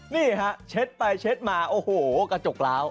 นี่ฮะเช็ดไปเช็ดมาโอ้โหกระจกล้าว